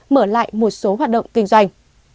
mở lại một số hoạt động kinh doanh